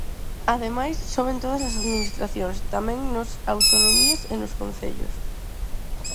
Ademais, sobe en todas as administracións, tamén nos autonomías e nos concellos.